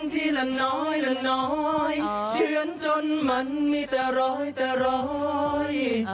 ทีละน้อยละน้อยเชื่อนจนมันมีแต่ร้อยแต่ร้อย